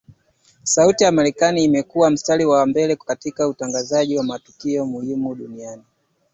Sauti ya Amerika imekua mstari wa mbele katika kutangaza matukio muhimu ya dunia